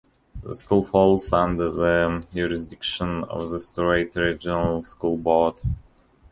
The school falls under the jurisdiction of the Strait Regional School Board.